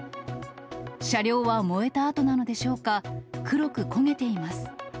車両は燃えたあとなのでしょうか、黒く焦げています。